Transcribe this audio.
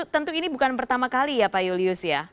tentu ini bukan pertama kali ya pak julius ya